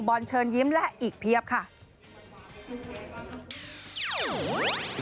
บอลเชิญยิ้มและอีกเพียบค่ะ